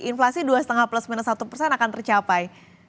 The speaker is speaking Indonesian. inflasi dua lima plus minus satu persen akan tercapai